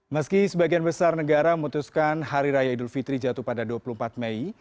meski sebagian besar negara memutuskan hari raya idul fitri jatuh pada dua puluh empat mei